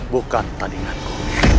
bukan tadi ngaku